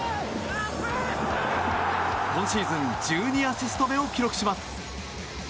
今シーズン１２アシスト目を記録します。